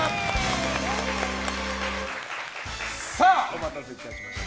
お待たせいたしました。